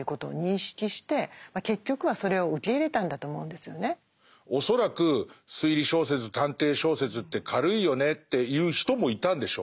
でドイルも恐らく推理小説探偵小説って軽いよねって言う人もいたんでしょう。